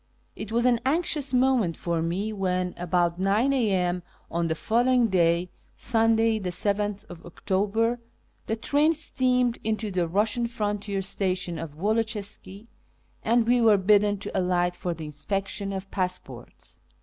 It was an anxious moment for me when, about 9 a.m. on the following day (Sunday, 7th October), the train steamed into the Eussian frontier station of Woloczyska, and we were bidden to alight for the inspection of passports.